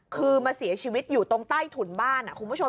คือมาเสียชีวิตอยู่ตรงใต้ถุนบ้านคุณผู้ชม